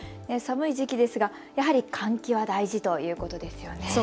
寒い時期ですがやはり寒気は大事ということですよね。